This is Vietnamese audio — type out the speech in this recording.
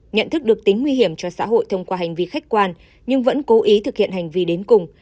nhận thức được tính nguy hiểm cho xã hội thông qua hành vi khách quan nhưng vẫn cố ý thực hiện hành vi đến cùng